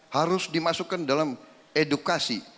harus dimasukkan dalam edukasi